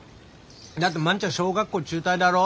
だって万ちゃん小学校中退だろ？